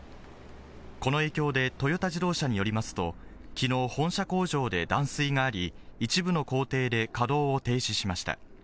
この影響でトヨタ自動車によりますと、きのう、本社工場で断水があり、一部の工程で稼働を停止しました。